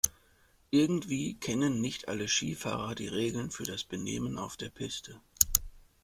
Irgendwie kennen nicht alle Skifahrer die Regeln für das Benehmen auf der Piste.